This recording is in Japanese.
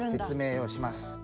説明をします。